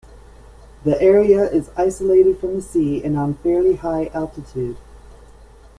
The area is isolated from the sea and on fairly high altitude.